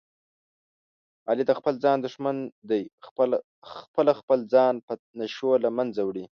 علي د خپل ځان دښمن دی، خپله خپل ځان په نشو له منځه وړي.